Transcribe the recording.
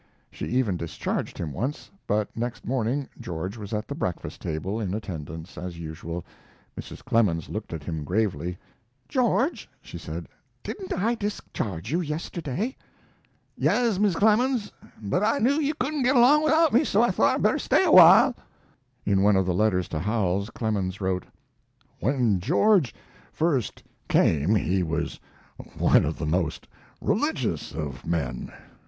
She even discharged him once, but next morning George was at the breakfast table, in attendance, as usual. Mrs. Clemens looked at him gravely: "George," she said, "didn't I discharge you yesterday?" "Yes, Mis' Clemens, but I knew you couldn't get along without me, so I thought I'd better stay a while." In one of the letters to Howells, Clemens wrote: When George first came he was one of the most religious of men.